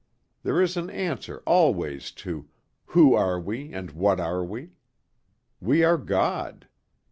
There is an answer always to 'Who are we and what are we?' We are God.